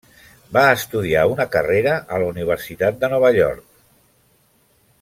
Va estudiar una carrera a la Universitat de Nova York.